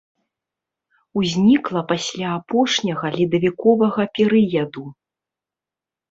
Узнікла пасля апошняга ледавіковага перыяду.